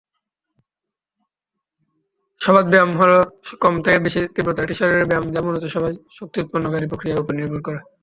সবাত ব্যায়াম হল কম থেকে বেশি তীব্রতার একটি শারীরিক ব্যায়াম যা মূলত সবাত শক্তি-উৎপন্নকারী প্রক্রিয়ার উপর নির্ভর করে।